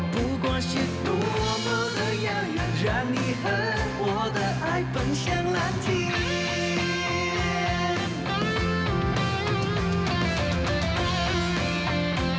บุกว่าลูกทูโยตัวยาวเยือนช่วงเสียงนั้นนั้นนั้นนั้น